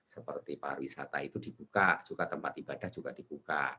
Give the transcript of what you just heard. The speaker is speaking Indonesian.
seperti pariwisata itu dibuka juga tempat ibadah juga dibuka